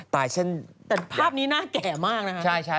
แต่ภาพนี้น่าแก่มากนะฮะ